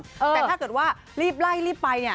แต่ถ้าเกิดว่ารีบไล่รีบไปเนี่ย